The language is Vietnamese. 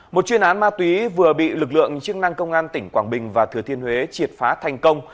một chuyên án ma túy vừa bị lực lượng chức năng công an tỉnh quảng bình và thừa thiên huế triệt phá thành công